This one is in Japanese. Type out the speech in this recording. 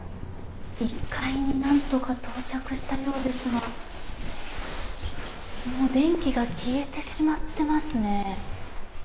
１階になんとか到着したようですがもう電気が消えてしまっていますね。